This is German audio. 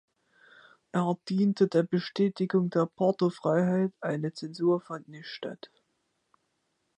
Er diente der Bestätigung der Portofreiheit, eine Zensur fand nicht statt.